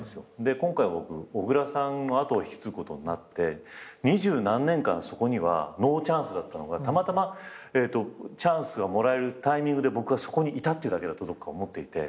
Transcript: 今回僕小倉さんの後を引き継ぐことになって二十何年間そこにはノーチャンスだったのがたまたまチャンスがもらえるタイミングで僕がそこにいたっていうだけだとどっか思っていて。